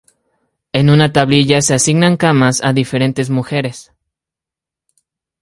En una tablilla se asignan camas a diferentes mujeres.